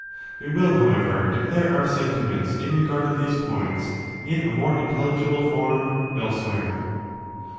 We will, however, declare our sentiments in regard of these points, in a more intel ligible form, elsewhere.